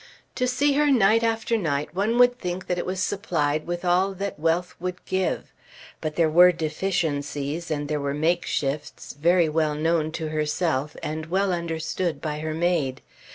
To see her night after night one would think that it was supplied with all that wealth would give. But there were deficiencies and there were make shifts, very well known to herself and well understood by her maid.